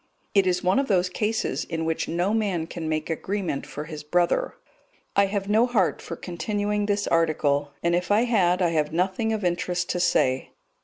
It is one of those cases in which no man can make agreement for his brother. I have no heart for continuing this article, and if I had, I have nothing of interest to say.